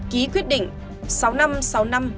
ký quyết định sáu năm sáu năm